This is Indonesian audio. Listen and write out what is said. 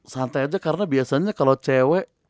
santai aja karena biasanya kalau cewek